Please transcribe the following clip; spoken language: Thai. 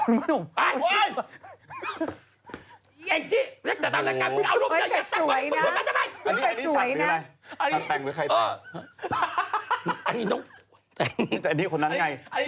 นี่น้องแต่นี่คนนั้นไง